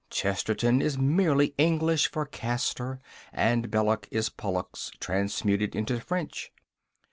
Chesterton is merely English for Castor, and Belloc is Pollux transmuted into French.